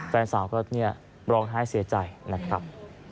แฟนสาวก็ร้องไห้เสียใจนะครับ